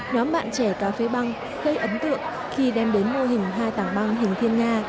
nhóm bạn trẻ cà phê băng gây ấn tượng khi đem đến mô hình hai tảng băng hình thiên nga